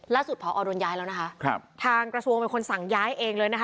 ล่าสุดพอองค์โรนย้ายแล้วนะคะทางกระชวงเป็นคนสั่งย้ายเองเลยนะคะ